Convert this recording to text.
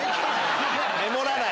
メモらない！